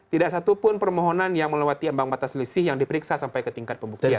tidak satupun permohonan yang melewati ambang batas selisih yang diperiksa sampai ke tingkat pembuktian